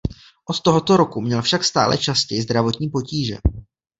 Od tohoto roku měl však stále častěji zdravotní potíže.